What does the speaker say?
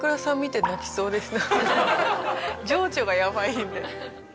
情緒がやばいんで。